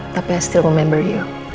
tapi i still remember you